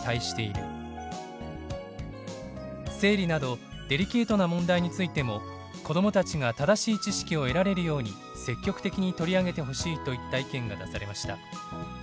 「生理などデリケートな問題についても子どもたちが正しい知識を得られるように積極的に取り上げてほしい」といった意見が出されました。